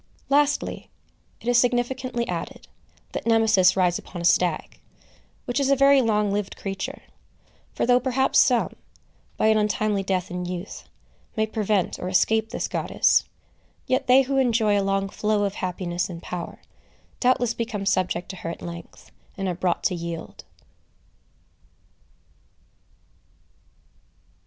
Lastly, it is significantly added, that Nemesis rides upon a stag, which is a very long lived creature; for though perhaps some, by an untimely death in youth, may prevent or escape this goddess, yet they who enjoy a long flow of happiness and power, doubtless become subject to her at length, and are brought to yield.